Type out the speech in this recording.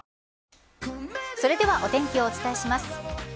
それではお天気をお伝えします。